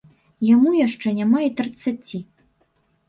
Яму яшчэ няма і трыццаці.